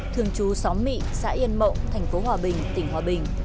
thường trú xóm mỹ xã yên mậu thành phố hòa bình tỉnh hòa bình